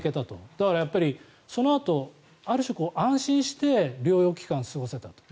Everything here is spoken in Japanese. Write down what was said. だから、そのあとある種安心して療養期間を過ごせたと。